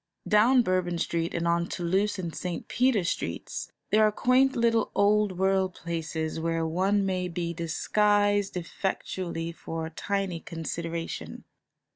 Down Bourbon Street and on Toulouse and St. Peter Streets there are quaint little old world places where one may be disguised effectually for a tiny consideration.